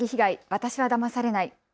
私はだまされない。